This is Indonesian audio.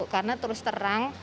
karena terus terang